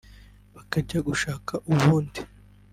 bakajya gushaka ubundi